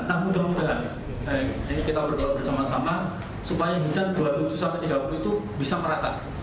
nah mudah mudahan jadi kita berdoa bersama sama supaya hujan dua puluh tujuh sampai tiga puluh itu bisa merata